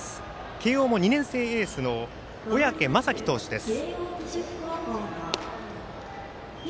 慶応も２年生エースの小宅雅己投手です。